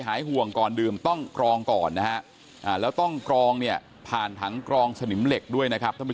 หายห่วงก่อนดื่มต้องกรองก่อนแล้วต้องกรองผ่านทั้งกรองสนิมเหล็กด้วย